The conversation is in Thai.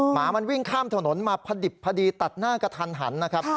หมามันวิ่งข้ามถนนมาพอดิบพอดีตัดหน้ากระทันหันนะครับ